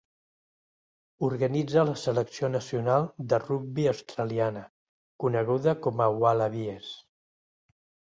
Organitza la selecció nacional de rugbi australiana, coneguda com a Wallabies.